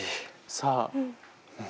さあ。